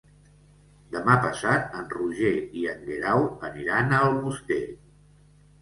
Demà passat en Roger i en Guerau aniran a Almoster.